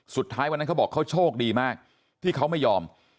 สุดท้ายวันนั้นเขาบอกเขาโชคดีมากที่เขาไม่ยอม